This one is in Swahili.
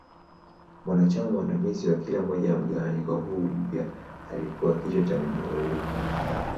Mwanachama mwandamizi wa kila moja ya mgawanyiko huu mpya alikua kichwa cha Muwuluko.